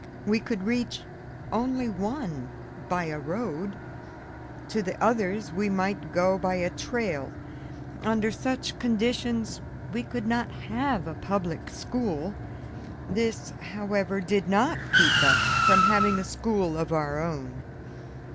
We could reach only one by a road; to the others we might go by a trail. Under such conditions we could not have a public school. This, however, did not keep us from having a school of our own.